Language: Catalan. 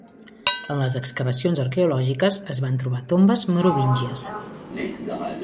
En les excavacions arqueològiques es van trobar tombes merovíngies.